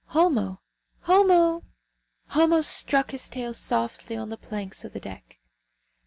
Homo! Homo!" Homo struck his tail softly on the planks of the deck.